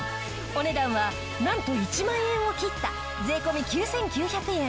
お値段はなんと１万円を切った税込９９００円！